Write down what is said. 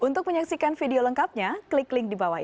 untuk menyaksikan video lengkapnya klik link di bawah ini